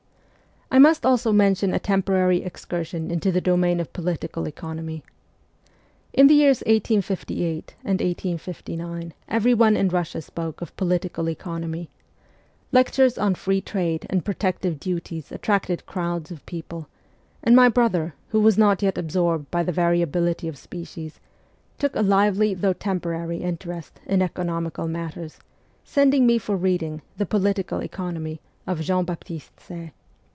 I must also mention a temporary excursion into the domain of political economy. In the years 1858 and 1859 everyone in Eussia spoke of political economy ; lectures on free trade and protective duties attracted crowds of people, and my brother, who was not yet absorbed by the variability of species, took a lively though temporary interest in economical matters, sending me for reading the ' Political Economy ' of Jean Baptiste Say.